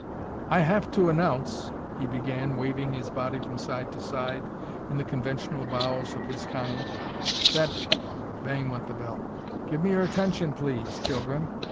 "I have to announce," he began, waving his body from side to side in the conventional bows of his kind, "that " Bang went the bell. "Give me your attention, please, children.